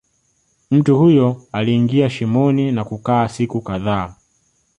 Mtu huyo aliingia shimoni na kukaa siku kadhaa